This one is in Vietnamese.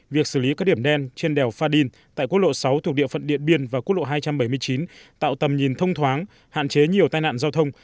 việc xử lý các điểm đen trên đèo pha đin tại quốc lộ sáu thuộc địa phận điện biên và quốc lộ hai trăm bảy mươi chín tạo tầm nhìn thông thoáng hạn chế nhiều tai nạn giao thông